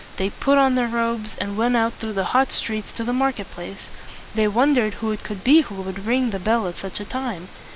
They put on their robes, and went out through the hot streets to the market place. They wondered who it could be who would ring the bell at such a time.